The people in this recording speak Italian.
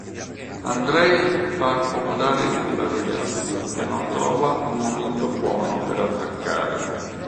Andrej fa accomodare il ragazzo che non trova il momento buono per attaccare.